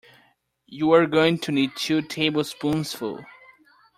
You’re going to need two tablespoonsful.